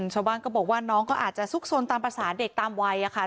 ชาวบ้านก็บอกว่าน้องก็อาจจะซุกซนตามภาษาเด็กตามวัยค่ะ